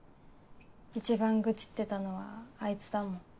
一番愚痴ってたのはあいつだもん。